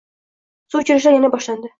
Suv oʻchishlar yana boshladi.